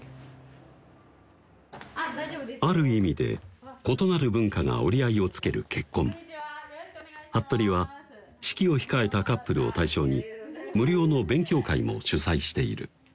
ある意味で異なる文化が折り合いをつける結婚服部は式を控えたカップルを対象に無料の勉強会も主催している